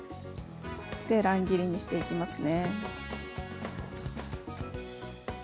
乱切りにしていきますね。